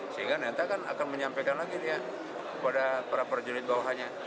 sehingga nanti kan akan menyampaikan lagi dia kepada para prajurit bawahnya